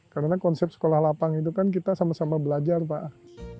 karena konsep sekolah lapang itu kan kita sama sama belajar pak